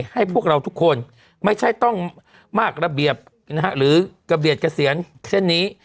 ให้พวกเราทุกคนไม่ใช่ต้องมากระเบียบหรือระเบียบเกษียณเช่นนี้